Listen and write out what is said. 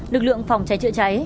lực lượng phòng cháy trựa cháy